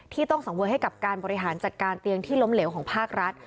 ต้องสังเวยให้กับการบริหารจัดการเตียงที่ล้มเหลวของภาครัฐ